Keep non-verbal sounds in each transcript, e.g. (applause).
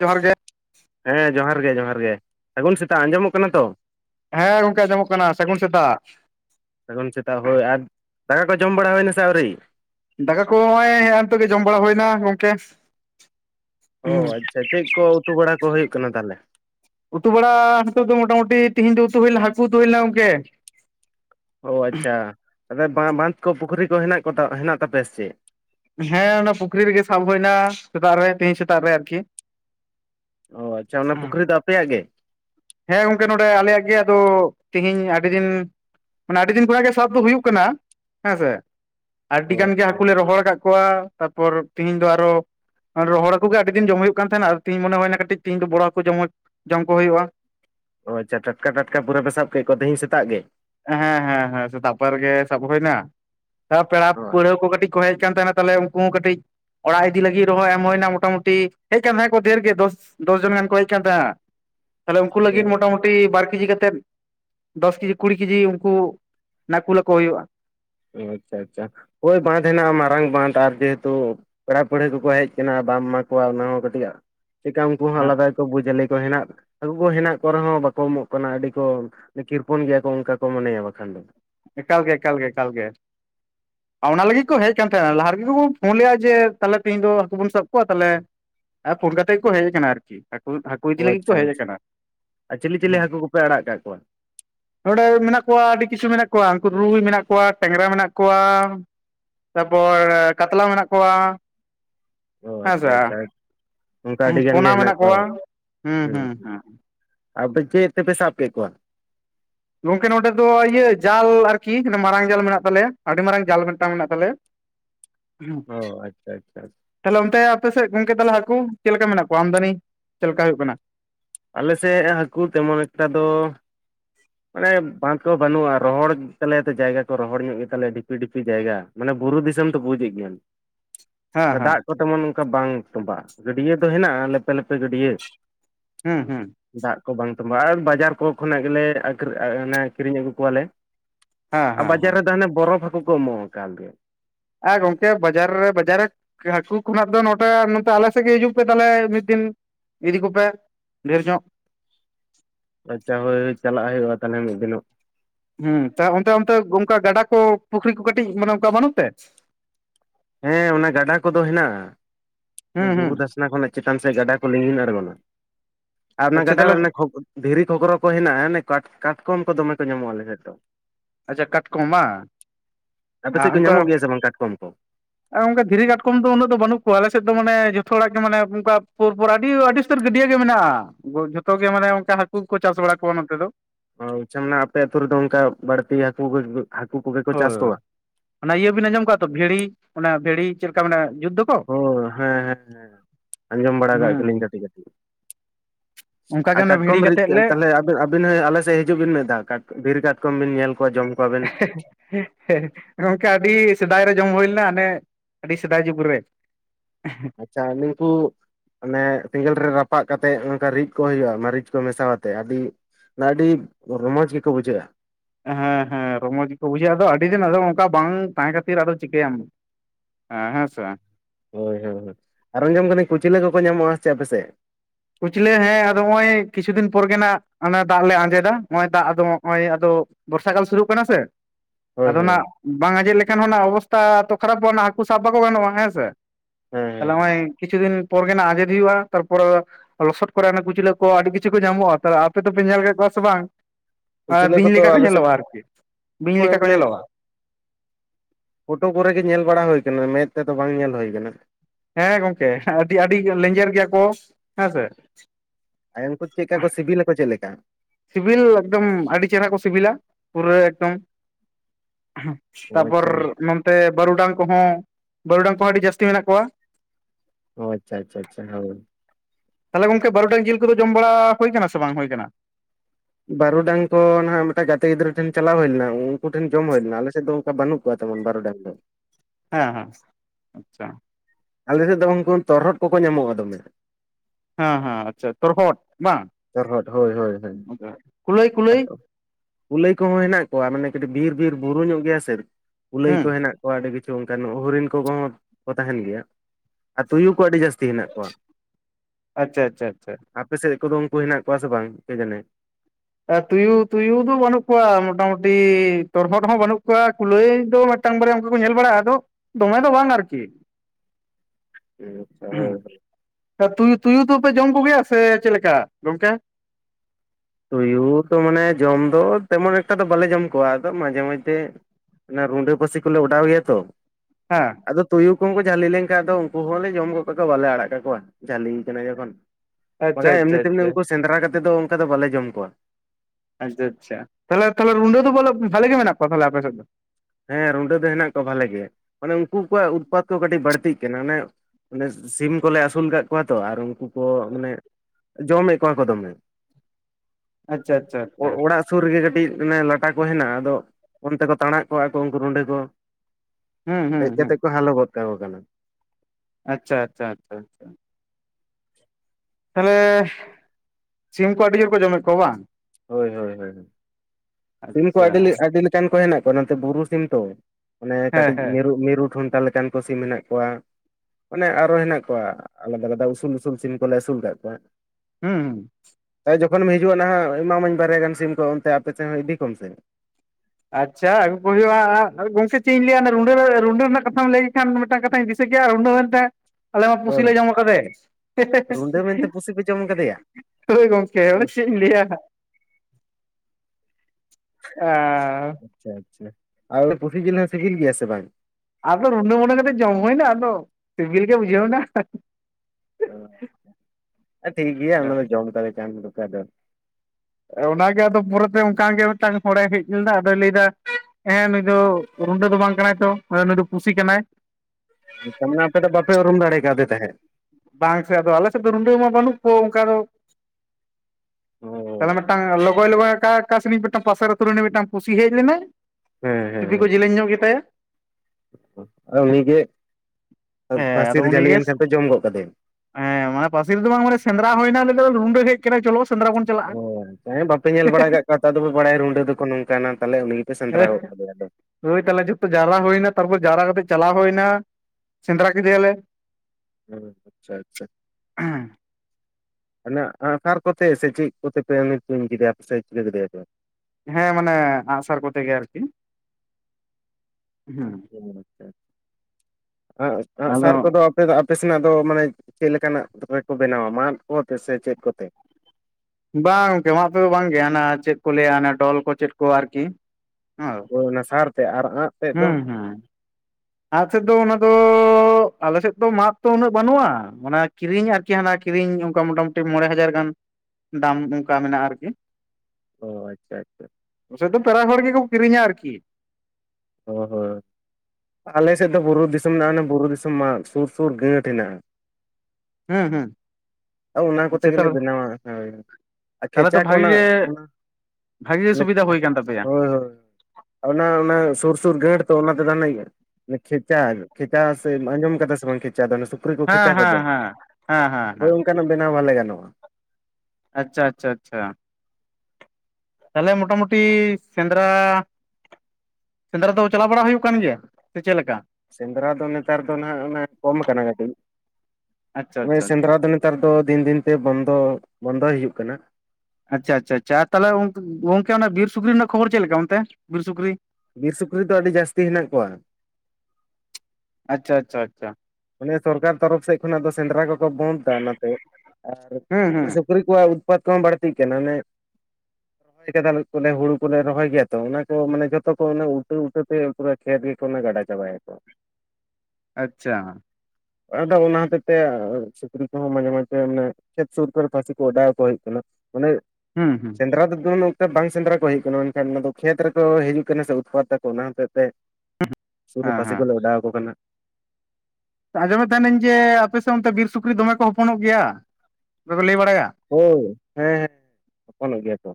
ᱡᱚᱦᱟᱨ ᱜᱮ ᱦᱮᱸ ᱡᱚᱦᱟᱨ ᱜᱮ, ᱡᱚᱦᱟᱨ ᱜᱮ, ᱥᱟᱹᱜᱩᱱ ᱥᱮᱛᱟᱜ ᱟᱸᱡᱚᱢᱚᱜ ᱠᱟᱱᱟ ᱛᱚ ᱾ ᱦᱮᱸ ᱜᱚᱝᱠᱮ ᱟᱸᱡᱚᱢᱚᱜ ᱠᱟᱱᱟ ᱾ ᱥᱟᱹᱜᱩᱱ ᱥᱮᱛᱟᱜ? ᱥᱟᱹᱜᱩᱱ ᱥᱮᱛᱟᱜ ᱦᱳᱭ, ᱟᱨ ᱫᱟᱠᱟ ᱠᱚ ᱡᱚᱢ ᱵᱟᱲᱟ ᱦᱩᱭ ᱮᱱᱟ ᱥᱮ ᱟᱹᱣᱨᱤ? ᱫᱟᱠᱟ ᱠᱚ ᱱᱚᱜ-ᱚᱭ ᱱᱤᱛᱳᱜ ᱜᱮ ᱡᱚᱢ ᱵᱟᱲᱟ ᱦᱳᱭᱱᱟ ᱜᱚᱝᱠᱮ, ᱚ ᱟᱪᱪᱷᱟ ᱪᱮᱫ ᱠᱚ ᱩᱛᱩ ᱵᱟᱲᱟ ᱠᱚ ᱦᱩᱭᱩᱜ ᱠᱟᱱᱟ ᱛᱟᱦᱚᱞᱮ? ᱩᱛᱩ ᱵᱟᱲᱟ ᱱᱤᱛᱚᱜ ᱫᱚ ᱢᱚᱴᱟᱢᱩᱴᱤ ᱛᱮᱦᱤᱧ ᱫᱚ ᱩᱛᱩ ᱦᱩᱭ ᱞᱮᱱᱟ ᱦᱟᱹᱠᱩ ᱩᱛᱩ ᱦᱩᱭ ᱮᱱᱟ ᱜᱚᱝᱠᱮ ᱾ ᱚ ᱟᱪᱪᱷᱟ ᱟᱮ ᱵᱟᱸᱫᱷ ᱠᱚ ᱯᱩᱠᱷᱨᱤ ᱠᱚ ᱦᱮᱱᱟᱜ ᱠᱚ ᱦᱮᱱᱟᱜ ᱛᱟᱯᱮᱭᱟ ᱪᱮᱫ? ᱦᱮᱸ ᱚᱱᱟ ᱯᱩᱠᱷᱨᱤ ᱨᱮᱜᱮ ᱥᱟᱵ ᱦᱩᱭ ᱮᱱᱟ, ᱥᱮᱛᱟᱜ ᱨᱮ ᱛᱮᱦᱤᱧ ᱥᱮᱛᱟᱜ ᱨᱮ ᱟᱨᱠᱤ ᱾ ᱚ ᱟᱪᱪᱷᱟ ᱚᱱᱟ ᱯᱩᱠᱷᱨᱤ ᱫᱚ ᱟᱯᱮᱭᱟᱜ ᱜᱮ? ᱦᱮᱸ ᱜᱚᱝᱠᱮ ᱱᱚᱰᱮ ᱟᱞᱮᱭᱟᱜ ᱜᱮ ᱟᱫᱚ ᱛᱮᱦᱤᱧ ᱟᱹᱰᱤ ᱫᱤᱱ ᱢᱟᱱᱮ ᱟᱹᱰᱤᱫᱤᱱ ᱠᱷᱚᱱ ᱜᱮ ᱥᱟᱵ ᱫᱚ ᱦᱩᱭᱩᱜ ᱠᱟᱱᱟ ᱾ ᱦᱮᱸᱥᱮ, ᱚ ᱟᱹᱰᱤ ᱜᱟᱱ ᱜᱮ ᱟᱪᱪᱷᱟ ᱦᱟᱹᱠᱩ ᱞᱮ ᱨᱚᱦᱚᱲ ᱟᱠᱟᱫ ᱛᱟᱯᱚᱨ ᱛᱮᱦᱤᱧ ᱫᱚ ᱟᱨᱚ ᱨᱚᱦᱚᱲ ᱟᱠᱚᱜ ᱜᱮ ᱟᱹᱰᱤ ᱫᱤᱱ ᱡᱚᱢ ᱦᱩᱭᱩᱜ ᱠᱟᱱᱟᱸ ᱛᱟᱦᱮᱱᱟ, ᱛᱤᱦᱤᱧ ᱢᱚᱱᱮ ᱦᱩᱭ ᱮᱱᱟ ᱠᱟᱹᱴᱤᱡ ᱛᱮᱦᱤᱧ ᱫᱚ ᱵᱚᱨᱚ ᱦᱟᱹᱠᱩ ᱡᱚᱢ ᱡᱚᱢ ᱠᱚ ᱦᱩᱭᱩᱜᱼᱟ ᱾ ᱚ ᱟᱪᱪᱷᱟ ᱴᱟᱴᱠᱟ ᱴᱟᱠᱟ ᱯᱩᱨᱟᱹ ᱯᱮ ᱥᱟᱵ ᱠᱮᱫ ᱠᱚᱣᱟ ᱛᱮᱦᱮᱧ ᱥᱮᱛᱟᱜ ᱜᱮ? ᱦᱮᱸ ᱦᱮᱸ ᱦᱮᱸ, ᱥᱮᱛᱟᱜ ᱯᱟᱭᱟᱨ ᱨᱮᱜᱮ ᱥᱟᱵ ᱦᱩᱭ ᱮᱱᱟ, ᱯᱮᱲᱟ ᱚ ᱯᱟᱹᱲᱦᱟᱹ ᱠᱚ ᱠᱟᱹᱴᱤᱡ ᱠᱚ ᱦᱮᱡ ᱠᱟᱱ ᱛᱟᱦᱮᱸᱱᱟ, ᱛᱟᱦᱚᱞᱮ ᱩᱱᱠᱩ ᱠᱟᱹᱴᱤᱡ ᱚᱲᱟᱜ ᱤᱫᱤ ᱞᱟᱹᱜᱤᱫ ᱨᱮ ᱦᱚᱭ ᱮᱢ ᱦᱩᱭ ᱮᱱᱟ ᱢᱚᱴᱟ ᱢᱩᱴᱤ ᱦᱮᱡ ᱠᱟᱱ ᱛᱟᱦᱮᱸ ᱠᱚ ᱰᱷᱮᱨ ᱜᱮ ᱫᱚᱥ ᱫᱚᱥ ᱡᱚᱱ ᱜᱟᱱ ᱠᱚ ᱦᱮᱡ ᱠᱟᱱ ᱛᱟᱦᱮᱫ ᱛᱟᱦᱚᱞᱮ ᱩᱱᱠᱩ ᱞᱟᱹᱜᱤᱫ ᱢᱚᱴᱟᱢᱩᱴᱤ ᱵᱟᱨ ᱠᱮᱡᱤ ᱠᱟᱛᱮᱫ, ᱫᱚᱥ ᱠᱮᱡᱤ ᱠᱩᱲᱤ ᱠᱮᱡᱤ ᱩᱱᱠᱩ ᱱᱟ ᱠᱩᱞ ᱠᱚ ᱦᱩᱭᱩᱜᱼᱟ ᱾ ᱚ ᱟᱪᱪᱷᱟ ᱟᱪᱪᱷᱟ, ᱦᱳᱭ ᱵᱟᱝ ᱦᱮᱱᱟᱜᱼᱟ ᱢᱟᱨᱟᱝ ᱵᱟᱝ ᱛᱟᱦᱮᱱ ᱛᱤᱧᱟᱛᱚ, ᱯᱮᱲᱟ ᱯᱟᱹᱲᱦᱟᱹ ᱠᱚᱠᱚ ᱦᱮᱡ ᱟᱠᱟᱱᱟ ᱵᱟᱢ ᱮᱢᱟ ᱠᱚᱣᱟ, ᱚᱱᱟ ᱦᱚᱸ ᱠᱟᱹᱴᱤᱡ ᱪᱮᱠᱟ ᱩᱱᱠᱩ ᱦᱚᱸ ᱦᱮᱸ ᱟᱞᱟᱫᱟ ᱠᱚ ᱵᱩᱡ ᱡᱟ ᱦᱮᱱᱟᱜ ᱠᱚ ᱦᱮᱱᱟᱜ ᱠᱚ ᱨᱮᱦᱚᱸ ᱵᱟᱠᱚ ᱮᱢᱚᱜ ᱠᱟᱱᱟ ᱟᱹᱰᱤ ᱠᱚ, ᱠᱤᱨᱯᱚᱱ ᱜᱮᱭᱟ ᱠᱚ ᱚᱱᱠᱟ ᱠᱚ ᱢᱚᱱᱮᱭᱟ ᱵᱟᱠᱷᱟᱱ ᱫᱚ ᱾ ᱮᱠᱟᱞ ᱜᱮ, ᱮᱠᱟᱞ ᱜᱮ, ᱮᱠᱟᱞ ᱜᱮ, (inaudible) ᱚᱱᱟ ᱞᱟᱹᱜᱤᱫ ᱠᱚ ᱦᱮᱡ ᱠᱟᱱ ᱛᱟᱦᱮᱸᱱ, ᱞᱟᱦᱟ ᱨᱮᱜᱮ ᱠᱚ ᱯᱷᱳᱱ ᱞᱮᱼᱟ ᱡᱮ ᱛᱮᱦᱮᱱ ᱫᱚ ᱦᱟᱹᱠᱩ ᱵᱚᱱ ᱥᱟᱵ ᱠᱚᱣᱟ ᱛᱟᱦᱚᱞᱮ ᱾ ᱟᱨ ᱯᱷᱳᱱ ᱠᱟᱛᱮ ᱜᱮ ᱠᱚ ᱦᱮᱡ ᱟᱠᱟᱱᱟ ᱟᱨᱠᱤ ᱾ ᱦᱟᱹᱠᱩ ᱦᱟᱹᱠᱩ ᱚ ᱤᱫᱤ ᱞᱟᱹᱜᱤᱫ ᱟᱪᱪᱷᱟ ᱠᱚ ᱦᱮᱡ ᱟᱪᱪᱷᱟ ᱟᱠᱟᱱᱟ ᱾ ᱟᱨ ᱪᱤᱞᱤ ᱪᱤᱞᱤ ᱦᱟᱹᱠᱩ ᱠᱚᱯᱮ ᱟᱲᱟᱜ ᱠᱟᱜ ᱠᱚᱣᱟ ᱱᱚᱰᱮ ᱢᱮᱱᱟᱜ ᱠᱚᱣᱟ ᱟᱹᱰᱤ ᱠᱤᱪᱷᱩ ᱢᱮᱱᱮᱜ ᱩᱱᱠᱩ ᱨᱩᱭ ᱢᱮᱱᱟᱜ ᱠᱚᱣᱟ, ᱴᱮᱝᱨᱟ ᱢᱮᱱᱟᱜ ᱠᱚᱣᱟ ᱾ ᱦᱳᱭ ᱦᱳᱭ ᱠᱟᱛᱞᱟ ᱢᱮᱱᱟᱜ ᱠᱚᱣᱟ ᱾ ᱚ ᱟᱪᱪᱷᱟ ᱟᱪᱪᱷᱟ, ᱚᱱᱠᱟ ᱟᱹᱰᱤ ᱜᱟᱱ ᱜᱮ ᱯᱚᱱᱟ ᱦᱮᱱᱟᱜ ᱢᱮᱱᱟᱜ ᱠᱚ, ᱠᱚᱣᱟ ᱦᱩᱸ ᱦᱮᱸ ᱦᱩᱸ ᱦᱩᱸ ᱟᱫᱚ ᱪᱮᱫ ᱛᱮᱯᱮ ᱥᱟᱵ ᱠᱮᱫ ᱠᱚᱣᱟ? ᱜᱚᱝᱠᱮ ᱱᱚᱰᱮ ᱫᱚ ᱤᱭᱟᱹ ᱡᱟᱞ ᱟᱨᱠᱤ ᱢᱟᱨᱟᱝ ᱡᱟᱞ ᱢᱮᱱᱟᱜ ᱛᱟᱞᱮᱭᱟ, ᱟᱹᱰᱤ ᱢᱟᱨᱟᱝ ᱡᱟᱞ ᱢᱤᱫ ᱴᱟᱝ ᱢᱮᱱᱟᱜ ᱛᱟᱞᱮᱭᱟ ᱾ (inaudible) (unintelligible) ᱚ ᱟᱪᱪᱷᱟ ᱟᱪᱪᱷᱟ ᱛᱟᱦᱞᱮ ᱚᱱᱛᱮ ᱟᱯᱮ ᱥᱮᱫ ᱜᱚᱢᱠᱮ ᱛᱟᱞᱮ ᱦᱟᱹᱠᱩ ᱪᱮᱫ ᱞᱮᱠᱟ ᱢᱮᱱᱟᱜ ᱠᱚᱣᱟ ᱟᱢᱫᱟᱱᱤ ᱪᱮᱫ ᱞᱮᱠᱟ ᱦᱩᱭᱩᱜ ᱠᱟᱱᱟ᱾ ᱟᱞᱮᱥᱮᱫ ᱦᱟᱹᱠᱩ ᱛᱮᱢᱚᱱ ᱮᱠᱴᱟ ᱫᱚ, ᱢᱟᱱᱮ ᱵᱟᱸᱫ ᱠᱚ ᱵᱟᱹᱱᱩᱜᱼᱟ, ᱨᱚᱦᱚᱲ ᱛᱟᱞᱮᱭᱟ ᱡᱟᱭᱜᱟ ᱠᱚ ᱨᱚᱦᱚᱲ ᱧᱚᱜ ᱜᱮᱛᱟᱞᱮᱭᱟ ᱰᱷᱤᱯᱤ ᱰᱷᱤᱯᱤ ᱡᱟᱭᱜᱟ ᱾ ᱢᱟᱱᱮ ᱵᱩᱨᱩ ᱫᱤᱥᱚᱢ ᱛᱚ ᱵᱩᱡᱮᱫ ᱜᱮᱭᱟᱢ, ᱦᱮᱸ ᱦᱮᱸ (unintelligible) ᱛᱮᱢᱚᱱ ᱚᱱᱠᱟ ᱵᱟᱝ ᱛᱚᱸᱵᱟᱜᱼᱟ, ᱜᱟᱹᱰᱭᱟᱹ ᱫᱚ ᱦᱮᱱᱟᱜᱼᱟ, ᱞᱮᱯᱮ ᱞᱮᱯᱮ ᱜᱟᱹᱰᱭᱟᱹ ᱾ ᱦᱩᱸ ᱦᱩᱸ ᱫᱟᱜ ᱠᱚ ᱵᱟᱝ ᱛᱚᱵᱟᱜᱼᱟ ᱟᱨ ᱵᱟᱡᱟᱨ ᱠᱚ ᱠᱷᱚᱱᱟᱜ ᱜᱮᱞᱮ ᱠᱤᱨᱤᱧ ᱟᱹᱜᱩ ᱠᱚᱣᱟᱞᱮ ᱦᱮᱸ ᱾ ᱟ ᱦᱮᱸ ᱵᱟᱡᱟᱨ ᱦᱮᱸ ᱨᱮᱫᱚ ᱦᱟᱱᱮ ᱵᱚᱨᱯᱷ ᱦᱟᱠᱩ ᱠᱚ ᱮᱢᱚᱜᱼᱟ ᱮᱠᱟᱞ ᱜᱮ᱾ ᱮ ᱜᱚᱝᱠᱮ ᱵᱟᱡᱟᱨ ᱨᱮ ᱵᱟᱡᱟᱨᱮ ᱠᱮ ᱦᱟᱹᱠᱩ ᱠᱷᱚᱱᱟᱜ ᱫᱚ ᱱᱚᱛᱮ, ᱱᱚᱛᱮ ᱟᱞᱮ ᱥᱮᱜ ᱜᱮ ᱦᱤᱡᱩᱜ ᱯᱮ ᱛᱟᱞᱮ ᱢᱤᱫ ᱫᱤᱱ᱾ ᱤᱫᱤ ᱠᱚᱯᱮ ᱰᱷᱮᱨ ᱧᱚᱜ᱾ ᱟᱪᱪᱷᱟ ᱦᱩᱭ ᱦᱳᱭ ᱪᱟᱞᱟᱜ ᱦᱩᱭᱩᱜᱼᱟ ᱛᱟᱞᱦᱮ ᱢᱤᱫ ᱫᱤᱱᱚᱜ᱾ ᱦᱩᱸ ᱛᱟᱦᱮᱱ ᱚᱱᱛᱮ ᱚᱱᱛᱮ ᱚᱝᱠᱟ ᱜᱟᱰᱟ ᱠᱚ ᱯᱩᱠᱷᱨᱤ ᱠᱚ ᱠᱟᱹᱴᱤᱡ ᱢᱟᱱᱮ ᱚᱝᱠᱟ ᱵᱟᱹᱱᱩᱜ ᱛᱮ? ᱦᱮᱸ ᱚᱱᱟ ᱜᱟᱰᱟ ᱠᱚᱫᱚ ᱦᱮᱱᱟᱜᱼᱟ᱾ ᱚᱱᱟ ᱦᱩᱸ ᱦᱩᱸ ᱵᱩᱨᱩ ᱫᱷᱟᱥᱱᱟ ᱠᱷᱚᱱᱟᱜ ᱪᱮᱛᱟᱱ ᱥᱮᱜ ᱜᱟᱰᱟ ᱠᱚ ᱞᱤᱸᱜᱤᱱ ᱟᱬᱜᱚᱱᱟ ᱟᱨ ᱚᱱᱟ ᱟᱪᱪᱷᱟ ᱜᱟᱰᱟ ᱛᱟᱦᱞᱮ ᱠᱷᱚ ᱫᱷᱤᱨᱤ ᱠᱷᱚᱠᱨᱚ ᱠᱚ ᱦᱮᱱᱟᱜᱼᱟ, ᱚᱱᱮ ᱠᱟᱴ ᱠᱟᱴᱠᱚᱢ ᱠᱚ ᱫᱚᱢᱮ ᱠᱚ ᱧᱟᱢᱚᱜᱼᱟ ᱟᱞᱮᱥᱮᱜ ᱫᱚ᱾ ᱟᱪᱪᱷᱟ ᱠᱟᱴᱠᱚᱢ ᱢᱟ ᱟᱯᱮ ᱟ ᱥᱮᱫ ᱠᱚ ᱚᱝᱠᱟ ᱧᱟᱢᱚᱜ ᱜᱮᱭᱟ ᱥᱮ ᱵᱟᱝ ᱠᱟᱴᱠᱚᱢ ᱠᱚ ᱟᱨ ᱚᱱᱠᱟ ᱫᱷᱤᱨᱤ ᱠᱟᱴᱠᱚᱢ ᱫᱚ ᱩᱱᱟᱹᱜ ᱫᱚ ᱵᱟᱹᱱᱩᱜ ᱠᱚᱣᱟ ᱟᱞᱮ ᱥᱮᱫ ᱫᱚ ᱢᱟᱱᱮ ᱡᱚᱛᱚ ᱦᱚᱲᱟᱜ ᱜᱮ ᱢᱟᱱᱮ ᱚᱱᱠᱟ ᱯᱚᱨ ᱯᱚᱨ ᱟᱹᱰᱤ ᱩᱛᱟᱹᱨ ᱜᱟᱹᱰᱭᱟᱹ ᱜᱮ ᱢᱮᱱᱟᱜᱼᱟ, ᱡᱷᱚᱛᱚ ᱜᱮ ᱢᱟᱱᱮ ᱚᱱᱠᱟ ᱦᱟᱹᱠᱩ ᱠᱚᱠᱚ ᱪᱟᱥ ᱵᱟᱲᱟ ᱠᱚᱣᱟ ᱱᱚᱛᱮ ᱫᱚ᱾ ᱟ ᱪᱮᱜ ᱢᱮᱱᱟ ᱟᱯᱮ ᱟᱹᱛᱩ ᱨᱮᱫᱚ ᱚᱱᱠᱟ ᱵᱟᱹᱲᱛᱤ ᱦᱟᱹᱠᱩ ᱜᱮ ᱦᱳᱭ ᱚᱱᱟ ᱤᱭᱟᱹ ᱵᱤᱱ ᱟᱸᱡᱚᱢ ᱠᱟᱜᱼᱟ ᱛᱚ ᱵᱷᱤᱲᱤ ᱚᱱᱟ ᱵᱷᱤᱲᱤ ᱪᱮᱜ ᱞᱮᱠᱟᱮ ᱢᱟᱱᱮ ᱡᱩᱛ ᱫᱚ ᱳ ᱦᱮᱸ ᱦᱮᱸ ᱦᱮᱸ ᱟᱸᱡᱚᱢ ᱵᱟᱲᱟ ᱠᱟᱜ ᱜᱮᱞᱤᱧ ᱦᱩᱸ ᱠᱟᱹᱴᱤᱜ ᱠᱟᱹᱴᱤᱜ ᱚᱱᱠᱟᱜᱮ ᱟᱨ ᱚᱱᱟ ᱵᱷᱤᱲᱤ ᱠᱟᱴᱠᱚᱢ ᱨᱤᱫᱽ ᱠᱟᱛᱮᱫ ᱞᱮ ᱛᱟᱞᱮ ᱟᱵᱮ ᱟᱵᱤᱱ ᱦᱚᱸ ᱟᱞᱮᱥᱮᱜ ᱦᱤᱡᱩᱜ ᱵᱤᱱ ᱢᱤᱜ ᱫᱷᱟᱣ ᱫᱷᱤᱨᱤ ᱠᱟᱴᱠᱚᱢ ᱵᱮᱱ ᱧᱮᱞ ᱠᱚᱣᱟ ᱡᱚᱢ ᱠᱚᱣᱟᱵᱤᱱ (inaudible) ᱮ ᱜᱚᱢᱠᱮ ᱟᱹᱰᱤ ᱥᱮᱫᱟᱭ ᱨᱮ ᱡᱚᱢ ᱦᱩᱭ ᱞᱮᱱᱟ, ᱚᱱᱮ ᱟᱹᱰᱤ ᱥᱮᱫᱟᱭ ᱡᱩᱜᱽ ᱨᱮ᱾ ᱮᱦᱮᱸ ᱟᱪᱪᱷᱟ ᱟᱵᱤᱱ ᱠᱤ ᱚᱱᱮ ᱥᱮᱸᱜᱮᱞ ᱨᱮ ᱨᱟᱯᱟᱜ ᱠᱟᱛᱮᱜ ᱚᱱᱠᱟ ᱨᱤᱫᱽ ᱠᱚ ᱦᱩᱭᱩᱜᱼᱟ, ᱢᱟᱹᱨᱤᱪ ᱠᱚ ᱢᱮᱥᱟᱣᱟᱛᱮ ᱟᱹᱰᱤ ᱚᱱᱟ ᱟᱹᱰᱤ ᱨᱚᱢᱚᱡᱽ ᱜᱮᱠᱚ ᱵᱩᱡᱷᱟᱹᱜᱼᱟ᱾ ᱦᱮᱸ ᱦᱮᱸ ᱨᱚᱢᱚᱡᱽ ᱜᱮ ᱠᱚ ᱵᱩᱡᱷᱟᱹᱜᱼᱟ, ᱟᱫᱚ ᱟᱹᱰᱤ ᱫᱤᱱ ᱟᱫᱚ ᱚᱱᱠᱟ ᱵᱟᱝ ᱛᱟᱦᱮᱸ ᱠᱷᱟᱹᱛᱤᱨ ᱟᱫᱚ ᱪᱤᱠᱟᱹᱭᱟᱢ ᱮ ᱦᱮᱸᱥᱮ ᱦᱳᱭ ᱦᱳᱭ ᱟᱨ ᱟᱸᱡᱚᱢ ᱠᱟᱹᱫᱟᱹᱧ ᱠᱩᱪᱞᱟᱹ ᱠᱚᱠᱚ ᱧᱟᱢᱚᱜᱼᱟ ᱥᱮᱪᱮᱜ ᱟᱯᱮᱥᱮᱜ? ᱠᱩᱪᱞᱟᱹ ᱦᱮᱸ ᱟᱫᱚ ᱦᱚᱜᱼᱚᱭ ᱠᱤᱪᱷᱩ ᱫᱤᱱ ᱯᱚᱨ ᱜᱮ ᱱᱟᱜ ᱚᱱᱟ ᱫᱟᱜ ᱞᱮ ᱟᱸᱡᱮᱫᱟ ᱱᱚᱜᱼᱚᱭ ᱫᱟᱜ ᱟᱫᱚᱜ ᱚᱭ ᱟᱫᱚ ᱵᱚᱨᱥᱟ ᱠᱟᱞ ᱥᱩᱨᱩᱜ ᱠᱟᱱᱟ ᱥᱮ᱾ ᱦᱳᱭ ᱟᱫᱚ ᱦᱳᱭ ᱱᱟᱜ ᱵᱟᱝ ᱟᱡᱮᱫ ᱞᱮᱠᱷᱟᱱ ᱦᱚᱸ ᱚᱵᱚᱥᱛᱟᱷᱟ ᱛᱚ ᱠᱷᱟᱨᱟᱯᱚᱜᱼᱟ ᱱᱟ ᱦᱟᱹᱠᱩ ᱥᱟᱵ ᱵᱟᱠᱚ ᱜᱟᱱᱚᱜᱼᱟ ᱦᱮᱸ ᱥᱮ᱾ ᱦᱮᱸ ᱛᱟᱞᱮ ᱦᱮᱸ ᱦᱮᱸ ᱚᱸᱭ ᱠᱤᱪᱷᱩ ᱫᱤᱱ ᱯᱚᱨ ᱜᱮ ᱱᱟᱜ ᱟᱡᱸᱡᱮᱫ ᱦᱩᱭᱩᱜᱼᱟ ᱛᱟᱨᱯᱚᱨ ᱞᱚᱥᱚᱫ ᱠᱚᱨᱮ ᱚᱱᱮ ᱠᱩᱪᱞᱟᱹ ᱠᱚ ᱟᱹᱰᱤ ᱠᱤᱪᱷᱩ ᱠᱚ ᱧᱟᱢᱚᱜᱼᱟ ᱛᱟᱞᱮ ᱟᱯᱮ ᱫᱚᱯᱮ ᱧᱮᱞ ᱠᱮᱜ ᱠᱚᱣᱟ ᱥᱮ ᱵᱟᱝ? ᱟᱨ ᱠᱩᱪᱞᱟᱹ ᱵᱤᱧ ᱠᱚᱫᱚ ᱞᱮᱠᱟ ᱠᱚ ᱟᱞᱮ ᱥᱮᱫ ᱧᱮᱞᱚᱜᱼᱟ ᱟᱨᱠᱤ ᱵᱤᱧ ᱦᱳᱭ ᱞᱮᱠᱟ ᱠᱚ ᱢᱟᱱᱮ ᱧᱮᱞᱚᱜᱼᱟ᱾ ᱯᱷᱳᱴᱳ ᱠᱚᱨᱮᱜ ᱜᱮ ᱧᱮᱞ ᱵᱟᱲᱟ ᱦᱩᱭᱩ ᱠᱟᱱᱟ ᱢᱮᱫ ᱛᱮᱫᱚ ᱵᱟᱝ ᱧᱮᱞ ᱦᱩᱭᱩ ᱠᱟᱱᱟ᱾ ᱦᱮᱸ ᱜᱚᱢᱠᱮ ᱟᱹᱰᱤ ᱟᱹᱰᱤ ᱞᱮᱸᱡᱮᱨ ᱜᱮᱭᱟ ᱠᱚ ᱦᱮᱸ ᱥᱮ᱾ ᱟᱭ ᱩᱱᱠᱩ ᱪᱮᱜᱠᱟ ᱠᱚ ᱥᱤᱵᱤᱞᱟᱠᱚ ᱪᱮᱜ ᱞᱮᱠᱟ? ᱥᱤᱵᱤᱞ ᱮᱠᱫᱚᱢ ᱟᱹᱰᱤ ᱪᱮᱨᱦᱟ ᱠᱚ ᱥᱤᱵᱤᱞᱟ ᱯᱩᱨᱟᱹ ᱮᱠᱫᱚᱢ ᱚ ᱛᱟᱯᱚᱨ ᱟᱪᱪᱷᱟ ᱱᱚᱱᱛᱮ ᱵᱟᱹᱨᱩᱰᱟᱝ ᱠᱚᱦᱚᱸ ᱵᱟᱹᱨᱩᱰᱟᱝ ᱠᱚᱦᱚᱸ ᱟᱹᱰᱤ ᱡᱟᱹᱥᱛᱤ ᱢᱮᱱᱟᱜ ᱠᱚᱣᱟ᱾ ᱚ ᱟᱪᱪᱷᱟ ᱟᱪᱷᱟ ᱟᱪᱪᱷᱟ ᱦᱳᱭ ᱛᱟᱞᱦᱮ ᱜᱚᱢᱠᱮ ᱵᱟᱹᱨᱩᱰᱟᱝ ᱡᱤᱞ ᱠᱚᱫᱚ ᱡᱚᱢ ᱵᱟᱲᱟ ᱦᱩᱭ ᱠᱟᱱᱟ ᱥᱮ ᱵᱟᱝ ᱦᱩᱭ ᱠᱟᱱᱟ? ᱵᱟᱹᱨᱩ ᱰᱟᱝ ᱠᱚ ᱱᱟᱦᱟᱜ ᱢᱤᱴᱟᱜ ᱜᱟᱛᱮ ᱜᱤᱫᱽᱨᱟᱹ ᱴᱷᱮᱱ ᱪᱟᱞᱟᱣ ᱦᱩᱭ ᱞᱮᱱᱟ ᱩᱱᱠᱩ ᱴᱷᱮᱱ ᱡᱚᱢ ᱦᱩᱭ ᱞᱮᱱᱟ᱾ ᱟᱞᱮᱥᱮᱜ ᱫᱚ ᱠᱟ ᱵᱟᱹᱱᱩᱜ ᱠᱚᱣᱟ ᱛᱮᱢᱚᱱ ᱵᱟᱨᱩᱰᱟᱝ ᱫᱚ᱾ ᱦᱮᱸ ᱦᱮᱸ ᱟᱪᱪᱷᱟ ᱟᱞᱮᱥᱮᱜ ᱫᱚ ᱩᱝᱠᱩ ᱛᱚᱨᱦᱚᱫ ᱠᱚᱠᱚ ᱧᱟᱢᱚᱜᱼᱟ ᱫᱚᱢᱮ᱾ ᱦᱮᱸ ᱦᱮᱸ ᱟᱪᱪᱷᱟ ᱛᱚᱨᱦᱚᱫ ᱵᱟᱝ? ᱛᱚᱨᱦᱚᱫ ᱦᱳᱭ ᱦᱳᱭ ᱦᱳᱭ ᱠᱩᱞᱟᱹᱭ ᱠᱩᱞᱟᱹᱭ ᱟᱫᱚ ᱠᱩᱞᱟᱹᱭ ᱠᱚᱦᱚᱸ ᱦᱮᱱᱟᱜ ᱠᱚᱣᱟ ᱢᱟᱱᱮ ᱠᱟᱹᱴᱤᱜ ᱵᱤᱨ ᱵᱤᱨ ᱵᱩᱨᱩ ᱧᱚᱜ ᱜᱮᱭᱟ ᱥᱮ ᱠᱩᱞᱟᱹᱭ ᱦᱮᱸ ᱠᱚ ᱦᱮᱱᱟᱜ ᱠᱚᱣᱟ ᱟᱹᱰᱤ ᱠᱤᱪᱷᱩ ᱚᱱᱠᱟᱱ ᱦᱚᱨᱤᱱ ᱠᱚᱠᱚ ᱦᱚᱸ ᱠᱚ ᱛᱟᱦᱮᱱ ᱜᱮᱭᱟ ᱟᱨ ᱛᱩᱭᱩ ᱠᱚ ᱟᱹᱰᱤ ᱡᱟᱹᱥ ᱛᱤ ᱦᱮᱱᱟᱜ ᱠᱚᱣᱟ, ᱟᱪᱪᱷᱟ ᱟᱪᱪᱷᱟ ᱟᱪᱪᱷᱟ ᱟᱯᱮ ᱥᱮᱜ ᱠᱩᱫᱚᱝ ᱠᱚ ᱦᱮᱱᱟᱜ ᱠᱚᱣᱟ ᱥᱮ ᱵᱟᱝ ᱠᱮ ᱡᱟᱱᱮ᱾ ᱛᱩᱭᱩ ᱛᱩᱭᱩ ᱫᱚ ᱵᱟᱹᱱᱩᱜ ᱠᱚᱣᱟ ᱢᱚᱴᱟᱢᱩᱴᱤ ᱛᱚᱨᱦᱚᱫ ᱦᱚᱸ ᱵᱟᱹᱱᱩᱜ ᱠᱚᱣᱟ ᱠᱩᱞᱟᱹᱭ ᱫᱚ ᱢᱤᱫᱴᱟᱝ ᱵᱟᱨᱭᱟ ᱠᱟ ᱠᱚ ᱧᱮᱞ ᱵᱟᱲᱟᱭᱼᱟ ᱟᱫᱚ ᱫᱚᱢᱮ ᱫᱚ ᱵᱟᱝ ᱟᱨᱠᱤ᱾ ᱦᱮᱸ ᱛᱚ᱾ ᱛᱩᱭᱩ ᱛᱩᱭᱩ ᱫᱚᱯᱮ ᱡᱚᱢ ᱠᱚᱜᱮᱭᱟ ᱥᱮ ᱪᱮᱫ ᱞᱮᱠᱟ ᱜᱚᱢᱠᱮ? ᱛᱩᱭᱩ ᱛᱚ ᱢᱟᱱᱮ ᱡᱚᱢ ᱫᱚ ᱛᱮᱢᱚᱱ ᱮᱠᱴᱟ ᱫᱚ ᱵᱟᱞᱮ ᱡᱚᱢ ᱠᱚᱣᱟ ᱟᱫᱚ ᱢᱟᱡᱷᱮ ᱢᱚᱫᱷᱮ ᱚᱱᱟ ᱨᱩᱸᱰᱟᱹ ᱯᱟᱹᱥᱤ ᱠᱚᱞᱮ ᱚᱰᱟᱣ ᱜᱮᱭᱟ ᱛᱚ ᱦᱮᱸ ᱟᱫᱚ ᱛᱩᱭᱩ ᱠᱚᱦᱚᱸ ᱡᱷᱟᱹᱞᱤ ᱞᱮᱱᱠᱷᱟᱡ ᱫᱚ ᱩᱱᱠᱩ ᱦᱚᱸᱞᱮ ᱡᱚᱢ ᱜᱚᱫ ᱠᱟ ᱠᱚᱣᱟ ᱵᱟᱞᱮ ᱟᱲᱟᱜ ᱠᱟᱠᱚᱣᱟ ᱡᱷᱟᱹᱞᱤ ᱠᱟᱱᱟᱜ ᱡᱚᱠᱷᱚᱱ ᱟᱪᱪᱷᱟ ᱵᱟᱝᱠᱷᱟᱱ ᱮᱢᱱᱤ ᱟᱪᱪᱷᱟ ᱛᱮᱢᱱᱤ ᱟᱪᱪᱷᱟ ᱩᱱᱠᱩ ᱥᱮᱸᱫᱽᱨᱟ ᱠᱟᱛᱮᱫ ᱫᱚ ᱚᱱᱠᱟ ᱫᱚ ᱵᱟᱞᱮ ᱡᱚᱢ ᱠᱚᱣᱟ ᱟᱪᱪᱷᱟ ᱟᱪᱪᱷᱟ ᱛᱟᱦᱚᱞᱮ ᱨᱩᱸᱰᱟᱹ ᱫᱚ ᱵᱚᱞᱮ ᱵᱷᱟᱞᱮ ᱜᱮ ᱢᱮᱱ ᱠᱚᱣᱟ ᱛᱟᱦᱚᱞᱮ ᱟᱯᱮ ᱥᱮᱫ ᱫᱚ ᱦᱮᱸ ᱨᱩᱸᱰᱟᱹ ᱫᱚ ᱦᱮᱱᱟᱜ ᱠᱚᱣᱟ ᱵᱟᱞᱮ ᱜᱮ ᱢᱟᱱᱮ ᱩᱱᱠᱩ ᱠᱚᱣᱟᱜ ᱩᱛᱯᱟᱛ ᱠᱚ ᱠᱟᱹᱴᱤᱡ ᱵᱟᱹᱲᱛᱤᱜ ᱠᱟᱱᱟ ᱚᱱᱮ ᱢᱟᱱᱮ ᱥᱤᱢ ᱠᱚᱞᱮ ᱟᱹᱥᱩᱞ ᱟᱠᱟᱟᱜ ᱠᱚᱣᱟ ᱛᱚ ᱟᱨ ᱩᱱᱠᱩ ᱠᱚ ᱢᱟᱱᱮ ᱡᱚᱢᱮᱜ ᱠᱚᱣᱟ ᱠᱚ ᱫᱚᱢᱮ ᱟᱪᱪᱷᱟ ᱟᱪᱪᱷᱟ ᱟᱪᱪᱷᱟ ᱚᱲᱟᱜ ᱥᱩᱨ ᱨᱮᱜᱮ ᱠᱟᱹᱴᱤᱜ ᱚᱱᱮ ᱞᱟᱴᱟ ᱠᱚ ᱦᱮᱱᱟᱜᱼᱟ, ᱟᱫᱚ ᱚᱱᱛᱮ ᱠᱚ ᱛᱟᱬᱟᱜ ᱠᱚᱜᱼᱟ ᱠᱚ ᱩᱝᱠᱩ ᱨᱩᱸᱰᱟᱹ ᱠᱚ᱾ ᱦᱩᱸ ᱦᱮᱡ ᱦᱩᱸ ᱦᱩᱸ ᱠᱟᱛᱮ ᱠᱚ ᱦᱟᱞᱚ ᱜᱚᱫ ᱠᱟᱠᱚ ᱠᱟᱱᱟ᱾ ᱟᱪᱪᱷᱟ ᱟᱪᱪᱷᱟ ᱟᱪᱪᱷᱟ ᱟᱪᱪᱷᱟ ᱛᱟᱦᱚᱞᱮ ᱥᱤᱢ ᱠᱚ ᱟᱹᱰᱤ ᱡᱳᱨ ᱠᱚ ᱡᱚᱢᱮᱫ ᱠᱚᱣᱟ ᱵᱟᱝ ᱦᱳᱭ ᱦᱳᱭ ᱦᱳᱭ ᱦᱳᱭ ᱥᱤᱢ ᱠᱚ ᱟᱪᱪᱷᱟ ᱟᱹᱰᱤ, ᱟᱹᱰᱤ ᱞᱮᱠᱟᱱ ᱠᱚ ᱦᱮᱱᱟᱜ ᱠᱚᱣᱟ ᱱᱚᱛᱮ ᱵᱩᱨᱩ ᱥᱤᱢ ᱛᱚ ᱚᱱᱮ ᱦᱮᱸ ᱠᱟᱹᱴᱤᱡ ᱦᱮᱸ ᱢᱤᱨᱩ ᱴᱷᱚᱱᱴᱟ ᱞᱮᱠᱟᱱ ᱠᱚ ᱥᱤᱢ ᱢᱮᱱᱟᱜ ᱠᱚᱣᱟ ᱢᱟᱱᱮ ᱟᱨᱦᱚᱸ ᱦᱮᱱᱟᱜ ᱠᱚᱣᱟ ᱟᱞᱟᱫᱟ ᱟᱞᱟᱫᱟ ᱩᱥᱩᱞ ᱩᱥᱩᱞ ᱥᱤᱢ ᱠᱚᱞᱮ ᱟᱹᱥᱩᱞ ᱟᱠᱟᱫ ᱠᱚᱣᱟ ᱦᱩᱸ ᱦᱩᱸ ᱛᱟᱭ ᱡᱚᱠᱷᱚᱱᱮᱢ ᱦᱤᱡᱩᱜᱼᱟ ᱱᱟᱦᱟᱜ ᱮᱢᱟᱢᱟᱹᱧ ᱵᱟᱨᱭᱟ ᱜᱟᱱ ᱥᱤᱢ ᱠᱚ ᱚᱱᱛᱮ ᱟᱯᱮ ᱥᱮᱫ ᱦᱚᱸ ᱤᱫᱤ ᱠᱚᱢ ᱥᱮ ᱟᱪᱪᱷᱟ ᱟᱹᱜᱩ ᱠᱚ ᱦᱩᱭᱩᱜᱼᱟ, ᱜᱚᱝᱠᱮ ᱪᱮᱫ ᱤᱧ ᱞᱟᱹᱭᱟ ᱨᱩᱰᱟᱹ ᱨᱮᱱᱟᱜ ᱠᱟᱛᱷᱟᱢ ᱞᱟᱹᱭᱮ ᱠᱷᱟᱱ ᱢᱤᱫᱴᱟᱝ ᱠᱟᱛᱷᱟᱧ ᱫᱤᱥ ᱥᱟᱹ ᱨᱩᱸᱰᱟᱹ ᱢᱮᱱᱛᱮ ᱟᱞᱮ ᱢᱟ ᱯᱩᱥᱤ ᱦᱳᱭ ᱞᱮ ᱡᱚᱢᱟᱠᱟᱫᱮ ᱨᱩᱰᱟᱹ ᱢᱮᱱᱛᱮ ᱯᱩᱥᱤ ᱯᱮ ᱡᱚᱢ ᱠᱟᱫᱮᱭᱟ ᱦᱳᱭ ᱜᱚᱝᱠᱮ ᱟᱫᱚ ᱪᱮᱫ ᱤᱧ ᱞᱟᱹᱭᱟ (unintelligible) ᱟᱪᱪᱷᱟ ᱟᱪᱪᱷᱟ ᱟᱨ ᱯᱩᱥᱤ ᱡᱤᱞ ᱦᱚ ᱥᱤᱵᱤᱞ ᱜᱮᱭᱟ ᱥᱮ ᱵᱟᱝ ᱟᱫᱚ ᱨᱩᱸᱰᱟᱹ ᱢᱩᱱᱮ ᱠᱟᱛᱮᱜ ᱡᱚᱢ ᱦᱩᱭᱱᱟ ᱟᱫᱚ ᱥᱤᱵᱤᱞ ᱜᱮ ᱵᱩᱡᱷᱟᱹᱣᱱᱟ ᱴᱷᱤᱠ ᱜᱮᱭᱟ ᱚᱱᱟ ᱫᱚ ᱡᱚᱢ ᱠᱟᱫᱮ ᱠᱷᱟᱱ (unintelligible) ᱫᱚ ᱚᱱᱟᱜᱮ ᱟᱫᱚ ᱯᱚᱨᱮᱛᱮ ᱚᱱᱠᱟ ᱢᱤᱫᱴᱟᱝ ᱦᱚᱲᱮ ᱦᱮᱡ ᱞᱮᱟ ᱟᱫᱚᱭ ᱞᱟᱹᱭᱫᱟ ᱦᱮᱸ ᱱᱩᱭ ᱫᱚ ᱨᱩᱸᱰᱟᱹ ᱫᱚ ᱵᱟᱝ ᱠᱟᱱᱟᱭ ᱛᱚ ᱱᱩᱭ ᱫᱚ ᱯᱩᱥᱤ ᱠᱟᱱᱟᱭ ᱛᱟ ᱢᱟᱱᱮ ᱟᱯᱮ ᱫᱚ ᱵᱟᱯᱮ ᱩᱨᱩᱢ ᱫᱟᱲᱮ ᱠᱟᱣᱫᱮ ᱛᱟᱦᱮᱸᱫ ᱵᱟᱝ ᱥᱮ ᱟᱫᱚ ᱟᱞᱮ ᱥᱮᱫ ᱫᱚ ᱨᱩᱸᱰᱟᱹ ᱢᱟ ᱵᱟᱹᱱᱩᱜ ᱠᱚ ᱚᱱᱠᱟ ᱫᱚ ᱚ ᱛᱟᱦᱚᱞᱮ ᱢᱤᱫᱴᱟᱝ ᱞᱚᱜᱚᱭ ᱞᱚᱜᱚᱭ ᱚᱠᱟ ᱥᱤᱱᱤᱡ ᱢᱤᱫᱴᱟᱝ ᱯᱟᱥᱮᱨ ᱟᱹᱛᱩ ᱨᱤᱱᱤᱡ ᱢᱤᱫᱴᱟᱝ ᱯᱩᱥᱤ ᱦᱮᱡ ᱞᱮᱱᱟᱭ ᱦᱮᱸ ᱦᱮᱸ ᱪᱩᱯᱤ ᱠᱚ ᱦᱮᱸ ᱡᱤᱞᱤᱧ ᱧᱚᱜ ᱜᱮ ᱛᱟᱭᱟ ᱩᱱᱤᱜᱮ ᱦᱮᱸ ᱯᱟᱹᱥᱤ ᱟᱫᱚ ᱨᱮ ᱩᱱᱤᱜᱮ ᱡᱷᱟᱹᱞᱤᱭᱮᱱ ᱠᱷᱟᱱ ᱫᱚ ᱡᱚᱢ ᱜᱚᱫ ᱠᱟᱫᱮᱭᱟᱞᱮ ᱦᱮᱸ ᱢᱟᱱᱮ ᱯᱟᱥᱮ ᱨᱮᱫᱚ ᱵᱟᱝ ᱢᱟᱱᱮ ᱥᱮᱸᱫᱽᱨᱟ ᱦᱩᱭᱱᱟ ᱨᱩᱸᱰᱟᱹ ᱦᱮᱡ ᱟᱠᱟᱱᱟ ᱪᱚᱞᱚ ᱥᱮᱸᱫᱽᱨᱟ ᱵᱚᱱ ᱪᱟᱞᱟᱜᱼᱟ ᱚᱸ (unintelligible) ᱵᱟᱯᱮ ᱧᱮᱞ ᱵᱟᱲᱟ ᱠᱟᱜ ᱠᱚᱣᱟ ᱛᱚ ᱟᱫᱚᱯᱮ ᱵᱟᱲᱟᱭᱟ ᱨᱩᱸᱰᱟᱹ ᱫᱚᱠᱚ ᱱᱚᱝᱠᱟᱱᱟ ᱛᱟᱦᱚᱞᱮ ᱩᱱᱤ ᱥᱮᱫᱽᱨᱟ ᱜᱚᱫ ᱠᱟᱫᱮᱭᱟ ᱟᱫᱚ ᱛᱟᱦᱚᱞᱮ ᱡᱚᱛᱚ ᱡᱟᱣᱨᱟ ᱦᱩᱭᱱᱟ ᱛᱟᱨᱯᱚᱨ ᱡᱟᱣᱨᱟ ᱠᱟᱛᱮ ᱪᱟᱞᱟᱣ ᱦᱩᱭ ᱮᱱᱟ ᱥᱮᱸᱫᱽᱨᱟ ᱠᱮᱫᱮᱭᱟᱞᱮ ᱦᱩᱸ ᱟᱪᱪᱷᱟ ᱟᱪᱪᱷᱟ (unintelligible) ᱟ ᱥᱟᱨ ᱠᱚᱛᱮ ᱥᱮ ᱪᱮᱫ ᱠᱚᱛᱮ ᱯᱮ ᱛᱩᱧ ᱠᱮᱫᱮᱭᱟ ᱪᱤᱠᱟᱹ ᱠᱮᱫᱭᱟᱯᱮ ᱦᱮᱸ ᱢᱟᱱᱮ ᱟᱜᱼᱥᱟᱨ ᱠᱚᱛᱮ ᱜᱮ ᱟᱨᱠᱤ ᱦᱮᱸ ᱟᱪᱪᱷᱟ (inaudible) ᱟᱜ ᱟᱫᱚ ᱥᱟᱨ ᱠᱚᱫᱚ ᱟᱯᱮ ᱫᱚ ᱟᱯᱮ ᱥᱮᱱᱟᱜ ᱫᱚ ᱢᱟᱱᱮ ᱪᱮᱫ ᱞᱮᱠᱟᱱᱟᱜ ᱛᱮ ᱠᱚ ᱵᱮᱱᱟᱣᱟ ᱢᱟᱫ ᱠᱚ ᱥᱮ ᱪᱮᱫ ᱠᱚᱛᱮ ᱵᱟᱝ ᱜᱚᱝᱠᱮ ᱢᱟᱜ ᱛᱮ ᱵᱟᱝᱜᱮ ᱦᱟᱱᱟ ᱪᱮᱫ ᱠᱚ ᱞᱟᱹᱭᱟ ᱰᱚᱞ ᱠᱚ ᱪᱮᱫ ᱠᱚ ᱟᱨᱠᱤ ᱦᱚᱸ ᱚᱱᱟ ᱥᱟᱨ ᱛᱮ ᱟᱨ ᱟᱸᱜ ᱛᱮᱫ ᱫᱚ ᱦᱩᱸ ᱦᱩᱸ (inaudible) (unintelligible) ᱥᱮᱫ ᱫᱚ ᱚᱱᱟ ᱫᱚ ᱟᱞᱮᱥᱮᱫ ᱫᱚ ᱢᱟᱫ ᱛᱚ ᱩᱱᱟᱹᱜ ᱵᱟᱹᱱᱩᱜᱼᱟ ᱚᱱᱟ ᱠᱤᱨᱤᱧ ᱟᱨ ᱠᱤ ᱦᱟᱱᱟ ᱠᱤᱨᱤᱧ ᱚᱱᱠᱟ ᱢᱚᱴᱟᱢᱩᱴᱤ ᱢᱚᱬᱮ ᱦᱟᱡᱟᱨ ᱜᱟᱱ ᱫᱟᱢ ᱚᱱᱠᱟ ᱢᱮᱱᱟᱜᱼᱟ ᱟᱨᱠᱤ ᱚ ᱟᱪᱪᱷᱟ ᱟᱪᱪᱷᱟ ᱥᱮᱫ ᱫᱚ ᱯᱮᱲᱟ ᱦᱚᱲ ᱜᱮᱠᱚ ᱠᱤᱨᱤᱧᱟ ᱟᱨᱠᱤ ᱦᱚᱭ ᱦᱚᱭ, ᱟᱞᱮ ᱥᱮᱫ ᱫᱚ ᱵᱩᱨᱩ ᱫᱤᱥᱚᱢ ᱢᱮᱱᱟᱜᱼᱟ ᱵᱩᱨᱩ ᱫᱤᱥᱚᱢ ᱢᱟᱫ ᱥᱩᱨ ᱥᱩᱨ ᱜᱟᱹᱴ ᱦᱮᱱᱟᱜᱼᱟ ᱦᱩᱸ ᱦᱩᱸ ᱚᱱᱟ ᱠᱚᱛᱮ ᱟᱪᱪᱷᱟ ᱜᱮᱞᱮ ᱛᱟᱦᱚᱞᱮ ᱵᱮᱱᱟᱣᱟ ᱦᱳᱭ ᱟᱨ ᱛᱟᱦᱚᱞᱮ ᱛᱚ ᱠᱷᱮᱪᱟ ᱵᱷᱟᱜᱤ ᱠᱚᱱᱟᱜ ᱜᱮ ᱚᱱᱟ- ᱵᱷᱟᱜᱤ (inaudible) ᱜᱮ ᱥᱩᱵᱤᱫᱷᱟ ᱦᱩᱭ ᱠᱟᱱ ᱛᱟᱯᱮᱭᱟ ᱦᱳᱭ ᱦᱳᱭ ᱚᱱᱟ ᱚᱱᱟ ᱥᱩᱨ ᱥᱩᱨ ᱜᱟᱹᱴ ᱛᱚ ᱚᱱᱟᱛᱮᱫᱚ ᱟᱱᱮᱡ ᱠᱷᱮᱪᱟ ᱠᱷᱮᱪᱟ ᱥᱮ ᱟᱸᱡᱚᱢ ᱠᱟᱫᱟ ᱥᱮ ᱵᱟᱝ ᱠᱷᱮᱪᱟ ᱫᱚ ᱦᱟᱱᱮ- ᱯᱩᱠᱷᱨᱤ ᱠᱚ ᱦᱮᱸ ᱠᱷᱮᱪᱟ ᱦᱮᱸ ᱠᱚᱫᱚ ᱦᱮᱸ ᱦᱮᱸ ᱦᱮᱸ ᱦᱳᱭ ᱦᱮᱸ ᱚᱱᱠᱟᱱᱟᱜ ᱵᱮᱱᱟᱣ ᱵᱟᱞᱮ ᱜᱟᱱᱚᱜᱼᱟ ᱟᱪᱪᱷᱟ ᱟᱪᱪᱷᱟ ᱟᱪᱪᱷᱟ ᱛᱟᱦᱞᱮ ᱢᱳᱴᱟᱢᱩᱴᱤ ᱥᱮᱸᱫᱽᱨᱟ- ᱥᱮᱸᱫᱽᱨᱟ ᱫᱚ ᱪᱟᱞᱟᱣ ᱵᱟᱲᱟ ᱦᱩᱭᱩᱜ ᱠᱟᱱ ᱜᱮᱭᱟ ᱥᱮ ᱪᱮᱫ ᱞᱮᱠᱟ ᱥᱮᱸᱫᱽᱨᱟ ᱫᱚ ᱱᱮᱛᱟᱨ ᱫᱚ ᱱᱟᱦᱟᱜ ᱠᱚᱢ ᱟᱠᱟᱱᱟ ᱠᱟᱹᱴᱤᱡ ᱟᱪᱪᱷᱟ ᱟᱪᱪᱷᱟ ᱟᱪᱪᱷᱟ ᱥᱮᱸᱫᱽᱨᱟ ᱫᱚ ᱱᱮᱛ- ᱱᱮᱛᱟᱨ ᱫᱚ ᱫᱤᱱ ᱫᱤᱱ ᱛᱮ ᱵᱚᱱᱫᱚ ᱵᱚᱱᱫᱚᱭ ᱦᱩᱭᱩᱜ ᱠᱟᱱᱟ ᱟᱪᱪᱷᱟ ᱟᱪᱪᱷᱟ ᱟᱪᱪᱷᱟ ᱛᱟᱦᱚᱞᱮ ᱜᱚᱝᱠᱮ ᱚᱱᱟ ᱵᱤᱨ ᱥᱩᱠᱨᱤ ᱨᱮᱱᱟᱜ ᱠᱷᱚᱵᱚᱨ ᱪᱮᱫ ᱞᱮᱠᱟ ᱚᱱᱛᱮ ᱵᱤᱨ ᱥᱩᱠᱨᱤ ᱵᱤᱨ ᱥᱩᱠᱨᱤ ᱫᱚ ᱟᱹᱰᱤ ᱡᱟᱹᱥᱛᱤ ᱦᱮᱱᱟᱜ ᱠᱚᱣᱟ᱾ ᱟᱪᱪᱷᱟ ᱟᱪᱪᱷᱟ ᱟᱪᱪᱷᱟ ᱚᱱᱮ ᱥᱚᱨᱠᱟᱨ ᱛᱚᱨᱚᱯᱷ ᱥᱮᱫ ᱠᱷᱚᱱᱟᱜ ᱫᱚ ᱥᱮᱸᱫᱽᱨᱟ ᱠᱚᱠᱚ ᱵᱚᱱᱫ ᱮᱫᱟ ᱚᱱᱟᱛᱮ ᱦᱩᱸ ᱟᱨ ᱦᱩᱸ ᱥᱩᱠᱨᱤ- ᱠᱚᱣᱟᱜ ᱩᱛᱯᱟᱛ ᱠᱚᱦᱚᱸ ᱵᱟᱹᱲᱛᱤᱜ ᱠᱟᱱᱟ ᱚᱱᱮ- (unintelligible) ᱫᱟᱞ ᱠᱚᱞᱮ ᱦᱩᱲᱩ ᱠᱚᱞᱮ ᱨᱚᱦᱚᱭ ᱜᱮᱭᱟ ᱛᱚ ᱚᱱᱟ ᱠᱚ ᱢᱟᱱᱮ ᱡᱚᱛᱚ ᱠᱚ ᱚᱱᱟ ᱩᱴᱟᱹ ᱩᱴᱟᱹ ᱛᱮ-ᱯᱩᱨᱳ ᱠᱷᱮᱛ ᱜᱮᱠᱚ ᱚᱱᱟ ᱜᱟᱰᱟ ᱪᱟᱵᱟᱭᱟᱠᱚ᱾ ᱟᱪᱪᱷᱟ ᱟᱫᱚ ᱚᱱᱟ ᱦᱚᱛᱮᱡᱛᱮ ᱥᱩᱠᱨᱤ ᱠᱚᱦᱚᱸ ᱢᱟᱡᱷᱮ ᱢᱟᱡᱷᱮ ᱚᱱᱮ ᱠᱷᱮᱛ ᱥᱩᱨ ᱠᱚᱨᱮ ᱯᱷᱟᱥᱤ ᱠᱚ ᱚᱰᱟᱣ ᱟᱠᱚ ᱦᱩᱭᱩᱜ ᱠᱟᱱᱟ᱾ ᱢᱟᱱᱮ- ᱦᱩᱸ ᱦᱩᱸ ᱥᱮᱸᱫᱽᱨᱟ ᱫᱚ ᱩᱱᱟᱹ ᱮᱠᱴᱟ ᱵᱟᱝ ᱥᱮᱸᱫᱽᱨᱟ ᱠᱚ ᱦᱩᱭᱩᱜ ᱠᱟᱱᱟ ᱢᱮᱱᱠᱷᱟᱱ ᱟᱫᱚ ᱠᱷᱮᱛ ᱨᱮᱠᱚ ᱦᱤᱡᱩᱜ ᱠᱟᱱᱟ ᱥᱮ ᱩᱛᱯᱟᱛ ᱫᱟᱠᱚ ᱚᱱᱟ ᱦᱚᱛᱮᱡ ᱛᱮ- (unintelligible) ᱥᱩᱨ ᱨᱮ ᱯᱷᱟᱥᱤ ᱦᱮᱸ ᱠᱚᱞᱮ ᱚᱰᱟᱣ ᱟᱠᱚ ᱠᱟᱱᱟ᱾ ᱟᱸᱡᱚᱢᱮᱫ ᱛᱟᱦᱮᱱᱟᱹᱧ ᱡᱮ ᱟᱯᱮ ᱥᱮᱫ ᱚᱱᱛᱮ ᱵᱤᱨ ᱥᱩᱠᱨᱤ ᱫᱚᱢᱮ ᱠᱚ ᱦᱚᱯᱚᱱᱚᱜ ᱜᱮᱭᱟ ᱚᱱᱠᱟᱠᱚ ᱞᱟᱹᱭ ᱵᱟᱲᱟᱭᱟ᱾ ᱦᱳᱭ ᱦᱮᱸ ᱦᱮᱸ ᱦᱚᱯᱚᱱᱚᱜ ᱜᱮᱭᱟ ᱠᱚ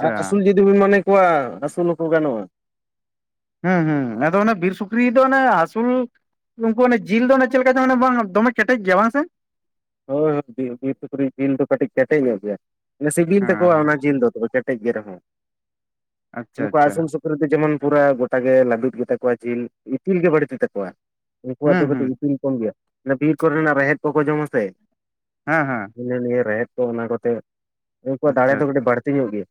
ᱟᱨ ᱟᱹᱥᱩᱞ ᱡ- ᱡᱩᱫᱤᱵᱤᱱ ᱢᱚᱱᱮ ᱠᱚᱣᱟ ᱟᱹᱥᱩᱞ ᱦᱚᱸᱠᱚ ᱜᱟᱱᱚᱜᱼᱟ᱾ ᱦᱩᱸ ᱦᱩᱸ ᱟᱫᱚ ᱚᱱᱮ ᱵᱤᱨ ᱥᱩᱠᱨᱤ ᱫᱚ ᱚᱱᱮ ᱟᱥᱩᱞ- ᱩᱱᱠᱩ ᱚᱱᱮ ᱡᱤᱞ ᱫᱚ ᱪᱮᱫᱞᱮᱠᱟ ᱪᱚ ᱵᱟᱝ ᱫᱚᱢᱮ ᱠᱮᱴᱮᱡ ᱜᱮᱭᱟ ᱵᱟᱝ ᱥᱮ ᱦᱳᱭ ᱦᱳᱭ ᱵᱤᱨ ᱥᱩᱠᱨᱤᱡ ᱡᱤᱞ ᱫᱚ ᱠᱟᱹᱴᱤᱡ ᱠᱮᱴᱮᱡ ᱧᱚᱜ ᱜᱮᱭᱟ ᱢᱟᱱᱮ ᱥᱤᱵᱤᱞ ᱦᱮᱸ ᱛᱟᱠᱚᱣᱟ ᱦᱮᱸ ᱚᱱᱟ ᱡᱤᱞ ᱫᱚ- ᱠᱮᱴᱮᱡ ᱜᱮ ᱨᱮᱦᱚᱸ ᱟᱪᱪᱷᱟ ᱱᱩᱠᱩ ᱟᱪᱪᱷᱟ ᱟᱥᱩᱞ ᱥᱩᱠ- (unintelligible) ᱨᱤᱫᱚ ᱡᱮᱢᱚᱱ ᱯᱩᱨᱟᱹ ᱜᱚᱴᱟ ᱜᱮ ᱞᱟᱹᱵᱤᱫ ᱜᱮᱛᱟ ᱠᱚᱣᱟ ᱡᱤᱞ ᱤᱛᱤᱞ ᱜᱮ ᱵᱟᱹᱲᱛᱤᱛᱟᱠᱚᱣᱟ ᱩᱱᱠᱩᱣᱟᱜ ᱦᱩᱸ ᱫᱚ ᱦᱩᱸ ᱠᱟᱹᱴᱤᱡ ᱤᱛᱤᱞ ᱠᱚᱢ ᱜᱮᱭᱟ ᱵᱤᱨ ᱠᱚᱨᱮᱱᱟᱜ ᱨᱮᱦᱮᱫ ᱠᱚᱠᱚ ᱡᱚᱢᱟ ᱥᱮ ᱦᱮᱸ ᱦᱮᱸ ᱦᱤᱱᱟᱹ ᱱᱤᱭᱟᱹ ᱨᱮᱦᱮᱫ ᱠᱚ ᱚᱱᱟ ᱠᱚᱛᱮ ᱩᱱᱠᱩᱣᱟᱜ ᱫᱟᱲᱮ ᱟᱪᱪᱷᱟ ᱫᱚ ᱠᱟᱹᱴᱤᱡ ᱵᱟᱹᱲᱛᱤ ᱧᱚᱜ ᱜᱮᱭᱟ᱾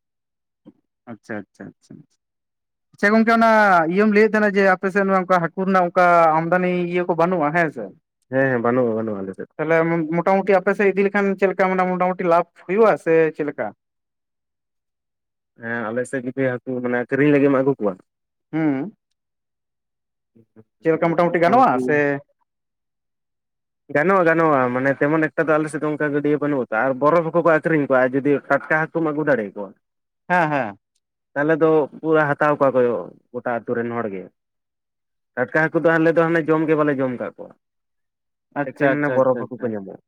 ᱟᱪᱪᱷᱟ ᱟᱪᱪᱷᱟ ᱟᱪᱪᱷᱟ (inaudible) ᱪᱮᱫ ᱜᱚᱝᱠᱮ ᱚᱱᱟ ᱤᱭᱟᱹᱢ ᱞᱟᱹᱭᱮᱫ ᱛᱟᱸᱦᱮᱱᱟ ᱡᱮ ᱟᱯᱮᱥᱮᱫ ᱢᱟ ᱚᱱᱠᱟ ᱦᱟᱹᱠᱩ ᱨᱮᱱᱟᱜ ᱚᱱᱠᱟ ᱟᱢᱫᱟᱱᱤ ᱤᱭᱟᱹ ᱠᱚ ᱵᱟᱹᱱᱩᱜᱼᱟ ᱦᱮᱸ ᱥᱮ ᱦᱮᱸ ᱦᱮᱸ ᱵᱟᱹᱱᱩᱜᱼᱟ ᱵᱟᱹᱱᱩᱜᱼᱟ ᱟᱞᱮᱥᱮᱫ ᱫᱚ ᱛᱟᱦᱚᱞᱮ ᱢᱚᱴᱟᱢᱩᱴᱤ ᱟᱯᱮᱥᱮᱫ ᱤᱫᱤ ᱞᱮᱠᱷᱟᱱ ᱪᱮᱫ ᱞᱮᱠᱟ ᱢᱟᱱᱮ ᱢᱚᱴᱟᱢᱩᱴᱤ ᱞᱟᱵᱷ ᱦᱩᱭᱩᱜᱼᱟ ᱥᱮ ᱪᱮᱫᱞᱮᱠᱟ ᱦᱮᱸ ᱟᱞᱮᱥᱮᱫ ᱡᱫᱤ ᱦᱟᱹᱠᱩ ᱢᱟᱱᱮ ᱠᱤᱨᱤᱧ ᱞᱟᱹᱜᱤᱫᱮᱢ ᱟᱹᱜᱩ ᱠᱚᱣᱟ- ᱦᱩᱸ ᱪᱮᱫ ᱞᱮᱠᱟ ᱢᱚᱴᱟᱢᱩᱴᱤ ᱜᱟᱱᱚᱜᱼᱟ ᱥᱮ ᱜᱟᱱᱚᱜᱼᱟ ᱜᱟᱱᱚᱜᱼᱟ ᱢᱟᱱᱮ ᱛᱮᱢᱚᱱ ᱮᱠᱴᱟ ᱫᱚ ᱟᱞᱮ ᱥᱮᱫ ᱫᱚ ᱚᱱᱠᱟ ᱜᱟᱹᱰᱭᱟᱹ ᱵᱟᱹᱱᱩᱜᱼᱟ ᱛᱟᱨ ᱯᱚᱨᱚ ᱦᱚᱸᱠᱩ ᱠᱚ ᱟᱹᱠᱷᱨᱤᱧ ᱠᱚᱣᱟᱼᱟ ᱡᱩᱫᱤ ᱴᱟᱴᱠᱟ ᱦᱟ- ᱦᱟᱹᱠᱩᱢ ᱟᱹᱜᱩ ᱫᱟᱲᱮᱭᱟ ᱠᱚᱣᱟ ᱦᱮᱸ ᱦᱮᱸ ᱛᱟᱦᱚᱞᱮ ᱫᱚ ᱯᱩᱣᱟ ᱦᱟᱛᱟᱣ ᱠᱚᱣᱟ ᱠᱚ ᱜᱚᱴᱟ ᱟᱹᱛᱩ ᱨᱮᱱ ᱦᱚᱲ ᱜᱮ᱾ ᱴᱟᱴᱠᱟ ᱦᱟᱹᱠᱩ ᱫᱚ ᱟᱞᱮ ᱫᱚ ᱦᱟᱱᱮ ᱡᱚᱢ ᱜᱮ ᱵᱟᱞᱮ ᱡᱚᱢ ᱟᱠᱟᱛᱚ ᱠᱚᱣᱟ ᱾ ᱟᱪᱪᱷᱟ ᱮᱠᱮᱱ ᱚᱱᱟ ᱟᱪᱪᱷᱟ ᱵᱚᱨᱯᱷ ᱟᱪᱪᱷᱟ ᱦᱟᱠᱩ ᱠᱚ ᱟᱪᱪᱷᱟ ᱧᱟᱢᱚᱜ ᱾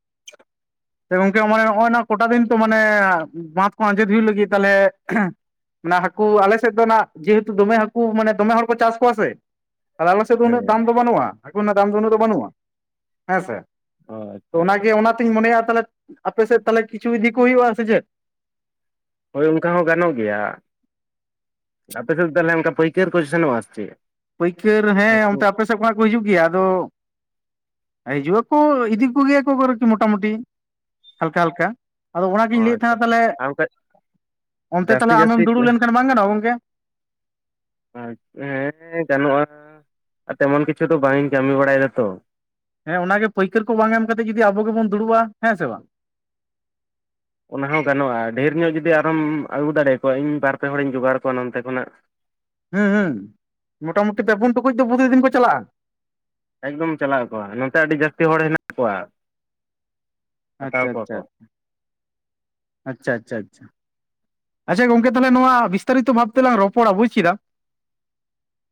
ᱜᱚᱝᱠᱮ ᱢᱟᱱᱮ ᱱᱚᱜᱼᱚᱭ ᱱᱚᱣᱟ ᱠᱚᱴᱟ ᱫᱤᱱ ᱛᱚ ᱢᱟᱱᱮ ᱵᱟᱸᱫᱷ ᱠᱚ ᱟᱸᱡᱮᱫ ᱦᱩᱭᱩᱜ ᱞᱟᱹᱜᱤᱫ ᱛᱟᱦᱚᱞᱮ ᱾ ᱚᱱᱮ ᱦᱟᱹᱠᱩ ᱟᱞᱮ ᱥᱮᱫ ᱫᱚ ᱡᱮᱦᱮᱛᱩ ᱫᱚᱢᱮ ᱦᱟᱹᱠᱩ ᱢᱟᱱᱮ ᱫᱚᱢᱮ ᱦᱚᱲ ᱠᱚ ᱪᱟᱥ ᱠᱚᱣᱟ ᱥᱮ ᱾ ᱟᱫᱚ ᱟᱞᱮ ᱥᱮᱫ ᱫᱚ ᱩᱱᱟᱹᱜ ᱦᱮᱸ ᱫᱟᱢ ᱫᱚ ᱵᱟᱹᱱᱩᱜᱼᱟ ᱦᱟᱠᱩ ᱨᱮᱱᱟᱜ ᱫᱟᱢ ᱫᱚ ᱩᱱᱟᱹᱜ ᱫᱚ ᱵᱟᱹᱱᱩᱜᱼᱟ ᱾ ᱦᱮᱸᱥᱮ ᱚ ᱛᱚ ᱟᱪᱪᱷᱟ ᱟᱪᱪᱷᱟ ᱚᱱᱟᱜᱮ ᱚᱱᱟ ᱛᱤᱧ ᱢᱚᱱᱮᱭᱟ ᱛᱟᱦᱚᱞᱮ ᱟᱯᱮ ᱥᱮᱫ ᱛᱟᱦᱚᱞᱮ ᱠᱤᱪᱷᱩ ᱤᱫᱤ ᱠᱚ ᱦᱩᱸᱭᱩᱜᱼᱟ ᱥᱮ ᱪᱮᱫ ᱾ ᱦᱳᱭ ᱚᱱᱠᱟ ᱦᱚᱸ ᱜᱟᱱᱚᱜ ᱜᱮᱭᱟ ᱟᱯᱮ ᱥᱮᱫ ᱛᱟᱦᱚᱞᱮ ᱚᱱᱠᱟ ᱯᱟᱹᱭᱠᱟᱹᱨ ᱠᱚ ᱥᱮᱱᱚᱜ ᱼᱟ ᱪᱮᱫ ᱾ ᱯᱟᱹᱭᱠᱟᱹᱨ ᱦᱮᱸ ᱚᱱᱛᱮ ᱟᱯᱮ ᱥᱮᱫ ᱠᱷᱚᱱᱟᱜ ᱠᱚ ᱦᱤᱡᱩᱜ ᱜᱮᱭᱟ ᱟᱫᱚ ᱾ ᱦᱤᱡᱩᱜ ᱟᱠᱚ ᱤᱫᱤ ᱠᱚᱜᱮᱭᱟ ᱠᱚᱠᱤ ᱢᱚᱴᱟ ᱢᱩᱴᱤ ᱦᱟᱞᱠᱟ ᱦᱟᱞᱠᱟ ᱾ ᱟᱫᱚ ᱚᱱᱟ ᱚ ᱜᱤᱧ ᱞᱟᱹᱭᱮᱫ ᱟᱪᱪᱷᱟ ᱛᱟᱦᱚᱞᱮ ᱟᱨ ᱚᱱᱠᱟ ᱚᱱᱛᱮ ᱡᱟᱹᱥᱛᱤ ᱛᱟᱦᱚᱞᱮ ᱟᱢᱮᱢ ᱡᱟᱹᱥᱛᱤ ᱫᱩᱲᱩᱵ ᱦᱮᱸ ᱞᱮᱱ ᱠᱷᱟᱱ ᱵᱟᱝ ᱜᱟᱱᱚᱜᱼᱟ ᱜᱚᱝᱠᱮ ᱾ ᱦᱮᱸ ᱜᱟᱱᱚᱜᱼᱟ ᱟᱨ ᱛᱮᱢᱚᱱ ᱠᱤᱪᱷᱩ ᱫᱚ ᱵᱟᱝ ᱤᱧ ᱠᱟᱹᱢᱤ ᱵᱟᱲᱟᱭᱮᱫᱟ ᱛᱚ ᱦᱮᱸ ᱚᱱᱟᱜᱮ ᱯᱟᱹᱭᱠᱟᱹᱨ ᱠᱚ ᱵᱟᱝ ᱮᱢ ᱠᱟᱛᱮ ᱡᱩᱫᱤ ᱟᱵᱚ ᱜᱮᱵᱚᱱ ᱫᱩᱲᱩᱵᱼᱟ ᱦᱮᱸ ᱥᱮ ᱵᱟᱝ ᱚᱱᱟ ᱦᱚᱸ ᱜᱟᱱᱚᱜᱼᱟ ᱰᱷᱮᱨ ᱧᱚᱜ ᱡᱩᱫᱤ ᱟᱨᱦᱚᱢ ᱟᱹᱜᱩ ᱫᱟᱲᱮᱭᱟ ᱠᱚᱣᱟ ᱤᱧ ᱵᱟᱨ ᱯᱮ ᱦᱚᱲ ᱤᱧ ᱡᱚᱜᱟᱲ ᱠᱚᱣᱟ ᱱᱚᱛᱮ ᱠᱷᱚᱱᱟᱜ ᱾ ᱦᱩ ᱦᱩ ᱢᱚᱴᱟᱢᱩᱴᱤ ᱯᱮᱯᱩᱱ ᱴᱩᱠᱩᱡ ᱫᱚ ᱯᱨᱟᱛᱮᱫᱤᱱ ᱫᱤᱱ ᱠᱚ ᱪᱟᱞᱟᱜᱼᱟ ᱾ ᱮᱠᱫᱚᱢ ᱪᱟᱞᱟᱜ ᱟᱠ ᱱᱚᱛᱮ ᱟᱹᱰᱤ ᱡᱟᱹᱥᱛᱤ ᱦᱚᱲ ᱦᱮᱱᱟᱜ ᱠᱚᱣᱟ ᱾ ᱟᱪᱷᱟ ᱟᱪᱷᱟ ᱟᱪᱷᱟ ᱟᱪᱷᱟ ᱟᱪᱷᱟ ᱟᱪᱷᱟ ᱾ ᱟᱪᱷᱟ ᱜᱚᱝᱠᱮ ᱛᱟᱦᱚᱞᱮ ᱱᱚᱣᱟ ᱵᱤᱥᱛᱟᱨᱤᱛ ᱵᱷᱟᱵ ᱛᱮ ᱞᱟᱝ ᱨᱚᱯᱚᱲᱼ ᱟ ᱵᱩᱡ ᱠᱮᱫᱟ ᱾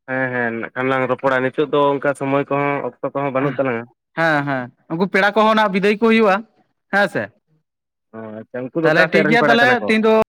ᱦᱮᱸ ᱦᱮᱸ ᱱᱟᱜ ᱠᱷᱟᱱ ᱞᱟᱝ ᱨᱚᱯᱚᱲᱟ ᱱᱤᱛᱚᱜ ᱫᱚ ᱚᱱᱠᱟ ᱥᱚᱢᱚᱭ ᱠᱚᱦᱚᱸ ᱚᱠᱛᱚ ᱠᱚᱦᱚᱸ ᱵᱟᱹᱱᱩᱜ ᱛᱟᱞᱟᱝᱼᱟ ᱾ ᱦᱮᱸ ᱦᱮᱸ ᱩᱱᱠᱩ ᱯᱮᱲᱟ ᱠᱚᱦᱚᱸ ᱵᱤᱫᱟᱹᱭ ᱠᱚ ᱦᱩᱸᱭᱩᱜᱼᱟ ᱦᱮᱸ ᱥᱮ ᱾ ᱚ ᱟᱪᱪᱷᱟ ᱩᱱᱠᱩ ᱫᱚ ᱛᱟᱦᱚᱞᱮ ᱚᱠᱟ ᱥᱮᱫ ᱨᱮᱱ ᱴᱷᱤᱠᱜᱮᱭᱟ ᱯᱮᱲᱟ ᱛᱟᱦᱚᱞᱮ ᱠᱟᱱᱟ ᱠᱚ ᱛᱮᱦᱮᱧ ᱫᱚ ᱾